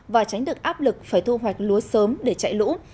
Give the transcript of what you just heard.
và tránh được áp lực phải thu hoạch lúa sớm để chạy lũ